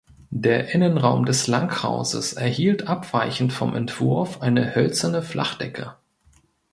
Der Innenraum des Langhauses erhielt abweichend vom Entwurf eine hölzerne Flachdecke.